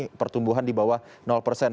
di pertumbuhan di bawah persen